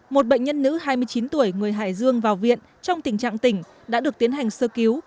một bệnh nhân nữ hai mươi chín tuổi người hải dương vào viện trong tình trạng tỉnh đã được tiến hành sơ cứu